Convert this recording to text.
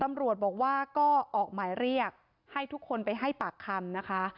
ตำรวจบอกว่าก็ออกหมายเรียกให้ทุกคนไปให้ปากคำนะคะ